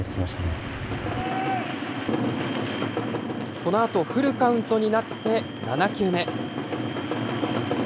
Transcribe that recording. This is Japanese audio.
このあとフルカウントになって、７球目。